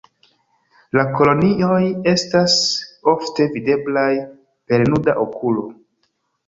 La kolonioj estas ofte videblaj per nuda okulo.